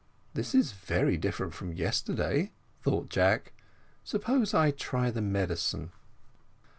"This is very different from yesterday," thought Jack; "suppose I try the medicine?"